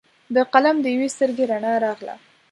د قلم د یوي سترګې رڼا راغله